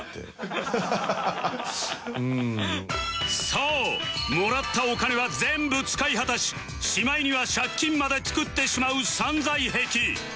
そうもらったお金は全部使い果たししまいには借金まで作ってしまう散財癖